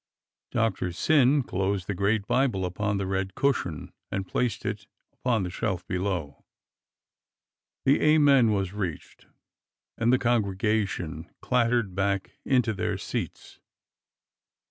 Doctor Syn closed the great Bible upon the red cushion and placed it upon the shelf below. The "Amen" was reached and the congregation clattered back into their seats.